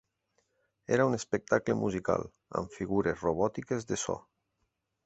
Era un espectacle musical, amb figures robòtiques de so.